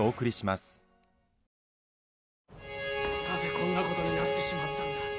なぜこんなことになってしまったんだ。